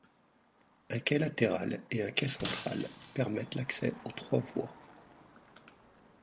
Un quai latéral et un quai central permettent l'accès aux trois voies.